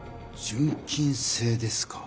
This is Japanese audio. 純金製ですか。